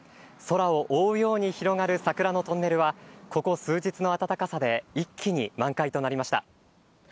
空を覆うように広がる桜のトンネルは、ここ数日の暖かさで一気に満開となりました。